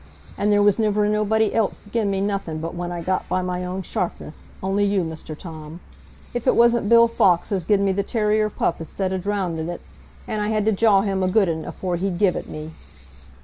An' there was niver nobody else gen me nothin' but what I got by my own sharpness, only you, Mr Tom; if it wasn't Bill Fawks as gen me the terrier pup istid o' drowndin't it, an' I had to jaw him a good un afore he'd give it me."